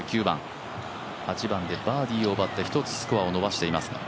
８番でバーディーを奪ってスコアを１つ伸ばしています。